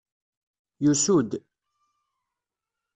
Yusu-d.